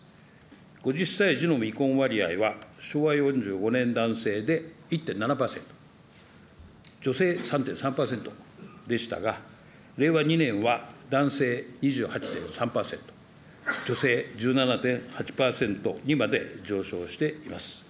５０歳時の未婚割合は昭和４５年、男性で１．７％、女性３３％でしたが、令和２年は男性２８．３％、女性１７．８％にまで上昇しています。